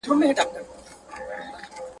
ورکه سې کمبلي، چي نه د باد يې نه د باران.